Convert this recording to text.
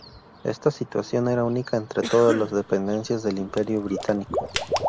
Esta situación era única entre todas las dependencias del Imperio británico.